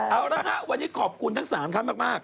เอาละฮะวันนี้ขอบคุณทั้ง๓ท่านมาก